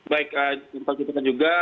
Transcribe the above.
baik ini fokusi juga